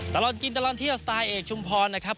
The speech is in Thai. ตลอดกินตลอดเที่ยวสไตล์เอกชุมพรนะครับ